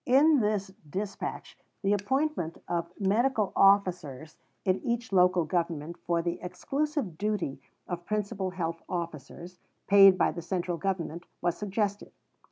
In this dispatch the appointment of medical officers in each Local Government for the exclusive duty of Principal Health Officers, paid by the Central Government, was suggested.